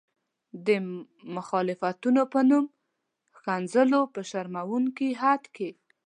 د مخالفتونو په نوم ښکنځلو په شرموونکي حد کې.